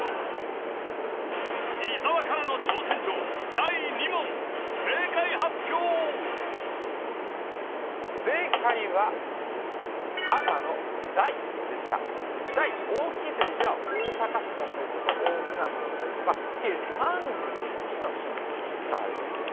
第２問正解発表正解は赤の「大」でした「大」大きいという字は大阪市だったりとか大船渡だったりとか計３１の市に使われています